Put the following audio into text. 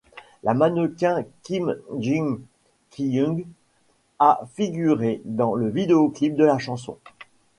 La mannequin Kim Jin-kyung a figuré dans le vidéoclip de la chanson.